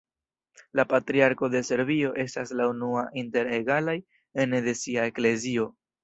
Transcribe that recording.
La Patriarko de Serbio estas la unua inter egalaj ene de sia eklezio.